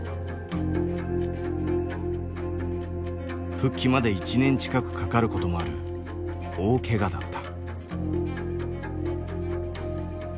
復帰まで１年近くかかることもある大けがだった。